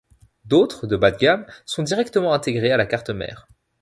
D'autres, de bas de gamme, sont directement intégrées à la carte mère.